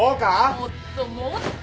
もっともっと！